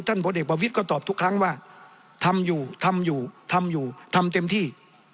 พลเอกประวิทย์ก็ตอบทุกครั้งว่าทำอยู่ทำอยู่ทำอยู่ทำเต็มที่